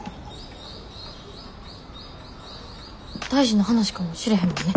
大事な話かもしれへんもんね。